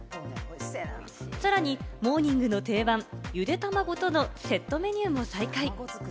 さらにモーニングの定番、ゆで卵とのセットメニューも再開。